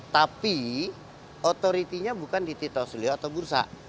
tapi otority nya bukan di tito selia atau bursa